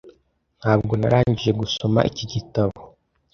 Ntabwo narangije gusoma iki gitabo.